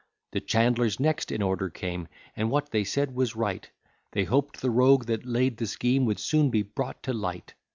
The chandlers next in order came, And what they said was right, They hoped the rogue that laid the scheme Would soon be brought to light.